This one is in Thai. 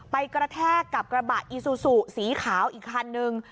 กระแทกกับกระบะอีซูซูสีขาวอีกคันนึง